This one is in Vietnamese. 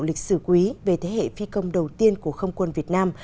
tư liệu lịch sử quý về thế hệ phi công đầu tiên của không quân việt nam